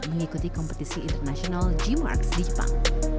mengikuti kompetisi internasional g marx di jepang